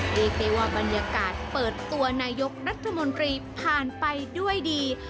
เรียกได้ว่าบรรยากาศเปิดตัวนายกรัฐมนตรีผ่านไปด้วยดี